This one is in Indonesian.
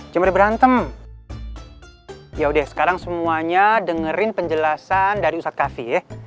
jember berantem ya udah sekarang semuanya dengerin penjelasan dari uskavi ya eh